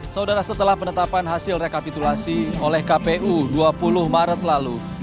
saudara setelah penetapan hasil rekapitulasi oleh kpu dua puluh maret lalu